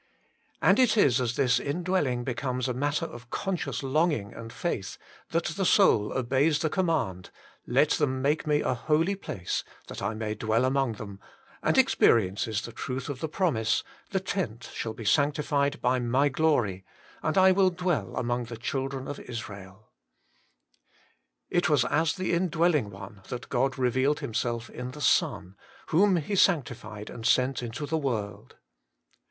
And it is as this indwelling becomes a matter of conscious longing and faith, that the soul obeys the command, 'Let them make me a holy place, that I may dwell among them/ and experiences the truth of the promise, ' The tent shall be sanctified by my glory, and I will dwell among the children of Israel' It was as the Indwelling One that God revealed Himself in the Son, whom He sanctified and sent into the world.